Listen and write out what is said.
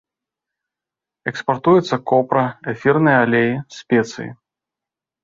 Экспартуецца копра, эфірныя алеі, спецыі.